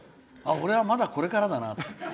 俺は、まだこれからだなって。